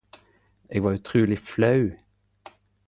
Eg var utruleg flau!